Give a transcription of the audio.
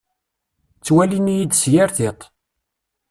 Ttwalin-iyi-d s yir tiṭ.